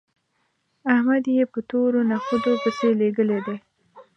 احمد يې په تورو نخودو پسې لېږلی دی